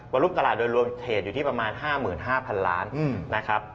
รุ่นตลาดโดยรวมเทรดอยู่ที่ประมาณ๕๕๐๐๐ล้านนะครับ